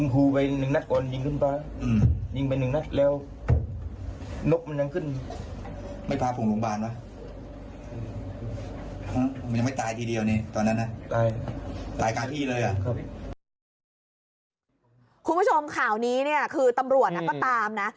คุณผู้ชมข่าวนี้เนี่ยคือตำรวจก็ตามนะ